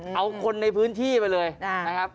เอาคนในพื้นที่ไปเลยนะครับ